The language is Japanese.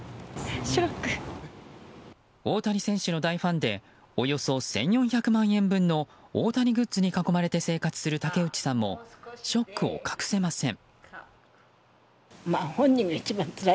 大谷選手の大ファンでおよそ１４００万円分の大谷グッズに囲まれて生活する竹山さんもショックを隠せません。